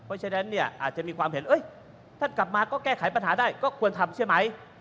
เพราะฉะนั้นเนี่ยอาจจะมีความเห็นท่านกลับมาก็แก้ไขปัญหาได้ก็ควรทำใช่ไหม